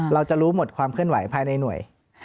เราจะรู้หมดความเคลื่อนไหวภายในหน่วย